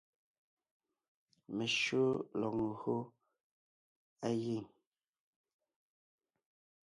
Meshÿó lɔg ńgÿo á giŋ.